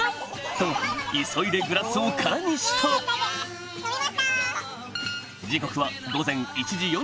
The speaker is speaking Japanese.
と急いでグラスを空にした飲みました！